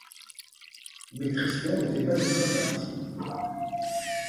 Mais Tristan n’était pas encore parti.